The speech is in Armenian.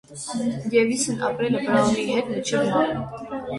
Դևիսն ապրել է Բրաունի հետ մինչև մահ։